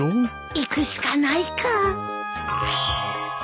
行くしかないか